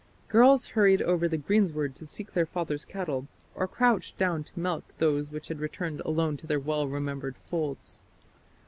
Girls hurried over the greensward to seek their fathers' cattle, or crouched down to milk those which had returned alone to their well remembered folds.